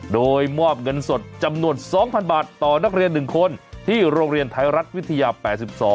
โดยมอบเงินสดจำนวน๒๐๐๐บาทต่อนักเรียน๑คนที่โรงเรียนไทยรัฐวิทยา๘๒